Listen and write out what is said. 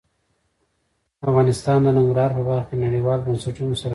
افغانستان د ننګرهار په برخه کې نړیوالو بنسټونو سره کار کوي.